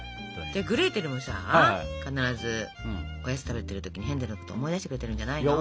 グレーテルもさ必ずおやつ食べてる時にヘンゼルのことを思い出してくれてるんじゃないの？